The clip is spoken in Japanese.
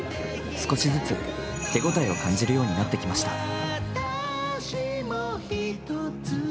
少しずつ、手応えを感じるようになってきました。